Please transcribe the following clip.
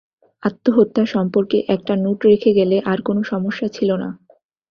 আত্মহত্যা সম্পর্কে একটা নোট রেখে গেলে আর কোনো সমস্যা ছিল না!